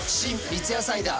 三ツ矢サイダー』